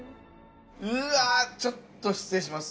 うわちょっと失礼します。